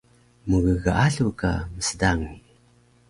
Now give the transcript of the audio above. Mggaalu ka msdangi